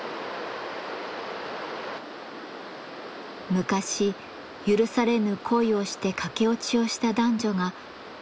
昔許されぬ恋をして駆け落ちをした男女がここに住んでいました。